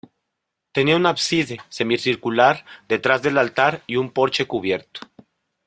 Tenía un ábside semicircular detrás del altar, y un porche cubierto.